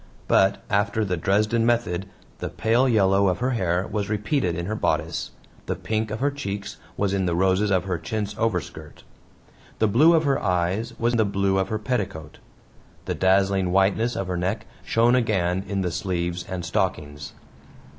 But, after the Dresden method, the pale yellow of her hair was repeated in her bodice, the pink of her cheeks was in the roses of her chintz overskirt. The blue of her eyes was the blue of her petticoat; the dazzling whiteness of her neck shone again in the sleeves and stockings.